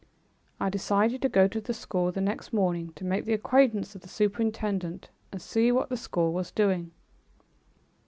I decided to go to the school the next morning to make the acquaintance of the superintendent and to see what the school was doing.